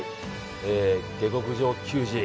「下剋上球児」